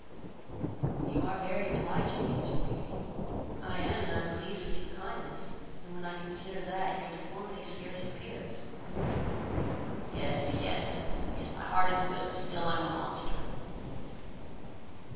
"You are very obliging, (answered Beauty;) I own I am pleased with your kindness, and when I consider that, your deformity scarce appears." "Yes, yes, (said the Beast,) my heart is good, but still I am a monster."